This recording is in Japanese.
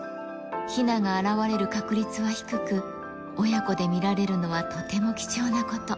ひなが現れる確率は低く、親子で見られるのはとても貴重なこと。